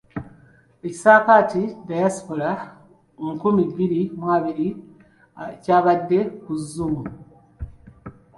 Ekisaakaate Dayasipola nkumi bbiri mu abiri kyabadde ku zzuumu.